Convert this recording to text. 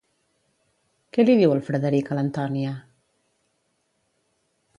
Què li diu el Frederic a l'Antònia?